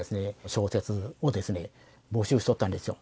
小説を募集しとったんですよ